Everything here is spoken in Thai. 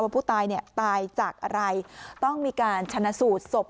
ว่าผู้ตายเนี่ยตายจากอะไรต้องมีการชะนสูดศพ